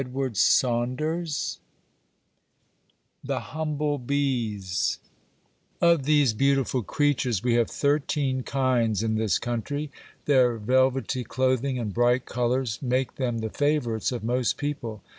THE HUMBLE BEES Of these beautiful creatures we have thirteen kinds in this country. Their velvety clothing and bright colours make them the favourites of most people.